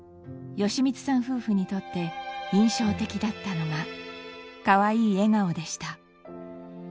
夫婦にとって印象的だったのがかわいい笑顔でした。